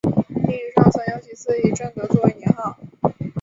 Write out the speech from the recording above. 历史上曾有几次以正德作为年号。